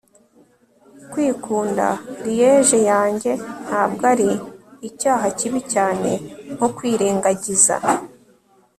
kwikunda, liege yanjye, ntabwo ari icyaha kibi cyane, nko kwirengagiza